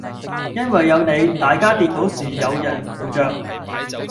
因為有你，大家跌倒時有人扶著